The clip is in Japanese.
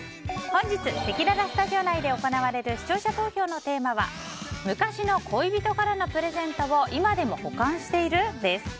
本日せきららスタジオ内で行われる視聴者投票のテーマは昔の恋人からのプレゼントを今でも保管している？です。